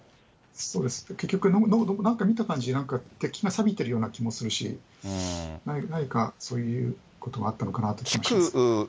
そうです、なんか見た感じ、鉄筋がさびてるような気もするし、何かそういうことがあったのかなという気がします。